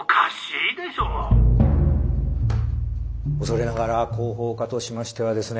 恐れながら広報課としましてはですね